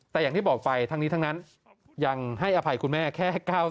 แต่อย่างที่บอกไปทั้งนี้ทั้งนั้นยังให้อภัยคุณแม่แค่๙๐